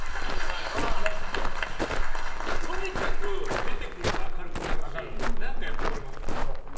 とにかく出てくると明るくなるし何かやってくれますもんね。